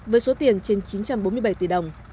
với số tiền trên chín trăm bốn mươi bảy tỷ đồng